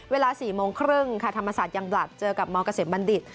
เวลา๔โมงครึ่งค่ะธรรมศาสตร์ยังบลัดเจอกับมเกษมบัณฑิต